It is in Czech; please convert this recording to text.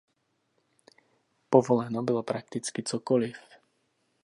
Povoleno bylo prakticky cokoliv.